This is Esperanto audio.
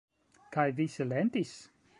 Kaj vi silentis?